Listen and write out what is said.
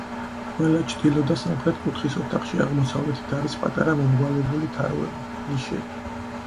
ყველა ჩრდილო და სამხრეთ კუთხის ოთახში აღმოსავლეთით არის პატარა მომრგვალებული თაროები, ნიშები.